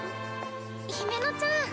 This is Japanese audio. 姫乃ちゃん。